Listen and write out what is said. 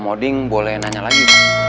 om odin boleh nanya lagi